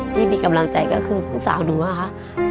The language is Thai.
ที่มีกำลังใจก็คือลูกสาวหนูนะคะ